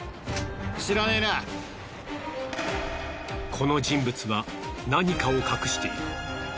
この人物は何かを隠している。